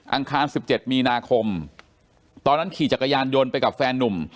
อาคาร๑๗มีนาคมตอนนั้นขี่จักรยานยนต์ไปกับแฟนนุ่ม